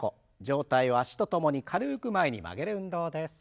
上体を脚と共に軽く前に曲げる運動です。